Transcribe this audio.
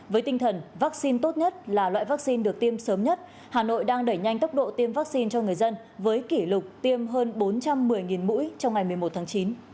với tinh thần vaccine tốt nhất là loại vaccine được tiêm sớm nhất hà nội đang đẩy nhanh tốc độ tiêm vaccine cho người dân với kỷ lục tiêm hơn bốn trăm một mươi mũi trong ngày một mươi một tháng chín